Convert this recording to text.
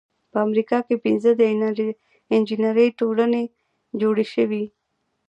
په امریکا کې پنځه د انجینری ټولنې جوړې شوې.